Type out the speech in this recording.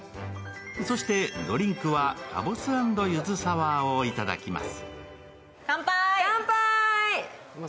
そしてドリンクは、かぼす＆ゆずサワーをいただきます。